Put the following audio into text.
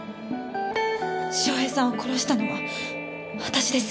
翔平さんを殺したのは私です。